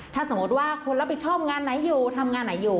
ถ้าสมมติว่าคนรับผิดชอบงานไหนอยู่ทำงานไหนอยู่